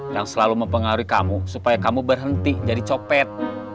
yang selalu mempengaruhi kamu supaya kamu berhenti jadi copet